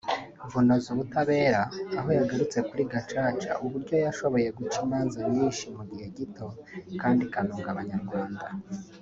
bunoza ubutabera aho yagarutse kuri Gacaca uburyo yashoboye guca imanza nyinshi mu gihe gito kandi ikanunga Abanyarwanda